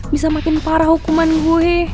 bisa makin parah hukuman gue